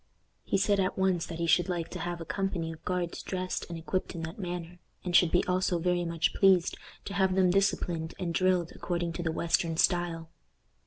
He said at once that he should like to have a company of guards dressed and equipped in that manner, and should be also very much pleased to have them disciplined and drilled according to the western style.